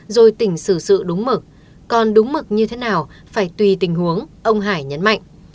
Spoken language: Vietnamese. rồi tỉnh xử sự đúng mực còn đúng mực như thế nào phải tùy tình huống ông hải nhấn mạnh